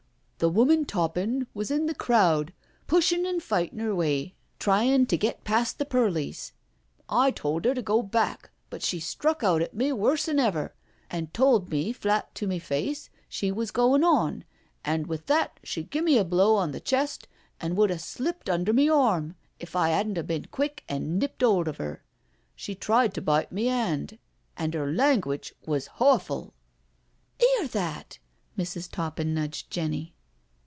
" The woman Toppin was in the crowd, pushin' an' fightin' 'er way, tryin' to get past the perlice. I told 'er to go back, but she struck out at me wors' 'an ever, and told me flat to me face she was goin' on, and with that she giv' me a blow on the chest and would 'a slipt under me arm if I 'adn't 'a bin quick and nipped 'old of 'er. She tried to bite my hand, and 'er lan guage was hawful." " 'Ear that?" Mrs. Toppin nudged Jenny.